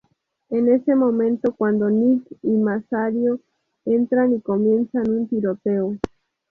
Es en ese momento cuando Nick y Masahiro entran y comienza un tiroteo.